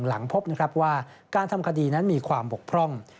หลังพบนะครับว่าการทำคดีนั้นมีความบกพร่อง